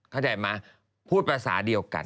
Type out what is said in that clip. เข้าใจไหมพูดภาษาเดียวกัน